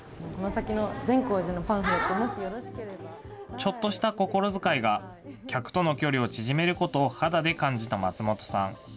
ちょっとした心遣いが客との距離を縮めることを肌で感じた松本さん。